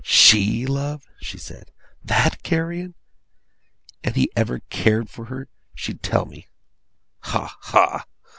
'SHE love!' she said. 'THAT carrion! And he ever cared for her, she'd tell me. Ha, ha!